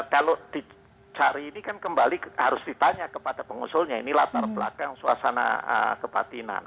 kalau dicari ini kan kembali harus ditanya kepada pengusulnya ini latar belakang suasana kebatinan